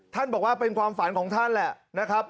บอกว่าเป็นความฝันของท่านแหละนะครับ